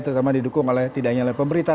terutama didukung oleh tidak hanya oleh pemerintah